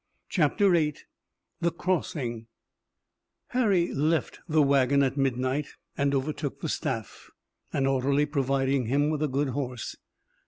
CHAPTER VIII THE CROSSING Harry left the wagon at midnight and overtook the staff, an orderly providing him with a good horse.